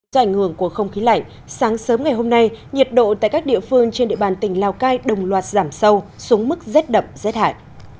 do ảnh hưởng của không khí lạnh sáng sớm ngày hôm nay nhiệt độ tại các địa phương trên địa bàn tỉnh lào cai đồng loạt giảm sâu xuống mức rét đậm rét hại